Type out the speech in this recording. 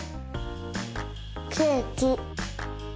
ケーキ。